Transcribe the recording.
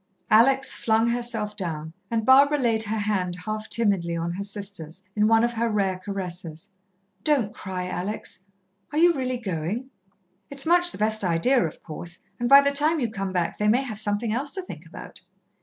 Alex flung herself down, and Barbara laid her hand half timidly on her sister's, in one of her rare caresses. "Don't cry, Alex. Are you really going? It's much the best idea, of course, and by the time you come back they may have something else to think about."